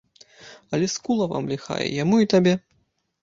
Але скула вам ліхая, яму і табе!